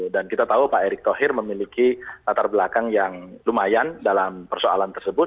dan kita tahu pak erick thohir memiliki latar belakang yang lumayan dalam persoalan tersebut